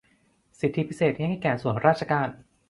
สิทธิพิเศษที่ให้แก่ส่วนราชการ